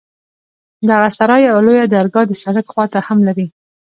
دغه سراى يوه لويه درګاه د سړک خوا ته هم لري.